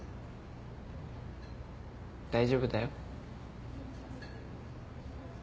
大丈夫だよ。